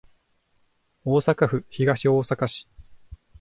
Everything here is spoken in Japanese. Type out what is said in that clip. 大阪府東大阪市